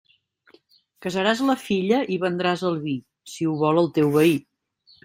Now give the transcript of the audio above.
Casaràs la filla i vendràs el vi si ho vol el teu veí.